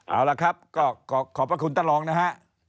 เอาละครับก็ขอบพระคุณท่านรองนะฮะ